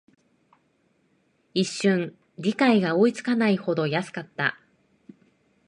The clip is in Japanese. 一瞬、理解が追いつかないほど安かった